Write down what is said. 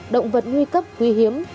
động vật nguy cấp huy hiếm